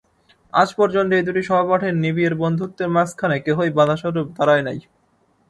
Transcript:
আজ পর্যন্ত এই দুটি সহপাঠীর নিবিড় বন্ধুত্বের মাঝখানে কেহই বাধাস্বরূপ দাঁড়ায় নাই।